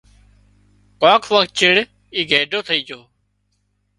ڪانڪ وکت چيڙ اي گئيڍو ٿئي جھو